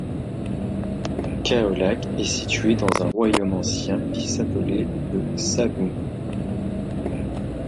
Kaolack est situé dans un royaume ancien qui s'appelait le Saloum.